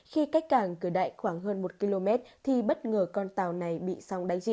khi cách cảng cửa đại khoảng hơn một km thì bất ngờ con tàu này bị sóng đánh chìm